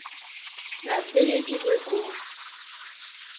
Iɛedda yagi wayyur.